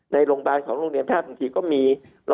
ในโรงพยาบาลของโรงเรียนภาษาศึกษีก็มี